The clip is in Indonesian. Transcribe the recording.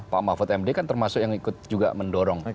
pak mahfud md kan termasuk yang ikut juga mendorong